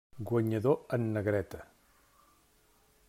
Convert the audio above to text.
Guanyador en negreta.